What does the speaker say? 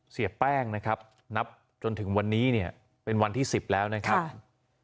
เสียแป้งนะครับนับจนถึงวันนี้เนี่ยเป็นวันที่๑๐แล้วนะครับ